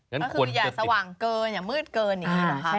อยากสว่างเกินอยากมืดเกินอย่างนี้เหรอคะ